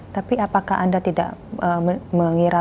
tapi apakah anda tidak mengira